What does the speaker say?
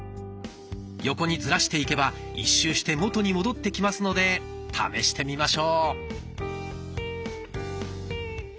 横にズラしていけば一周して元に戻ってきますので試してみましょう。